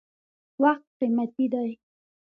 • وخت قیمتي دی.